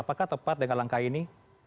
apakah tepat dengan langkah ini